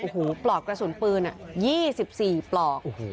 โอ้โหปลอกกระสุนปืน๒๔ปลอก